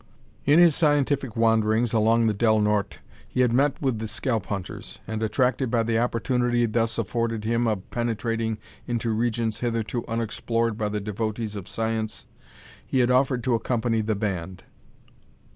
In his scientific wanderings along the Del Norte he had met with the Scalp hunters, and, attracted by the opportunity thus afforded him of penetrating into regions hitherto unexplored by the devotees of science, he had offered to accompany the band.